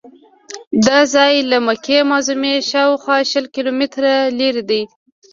دا ځای له مکې معظمې شاوخوا شل کیلومتره لرې دی.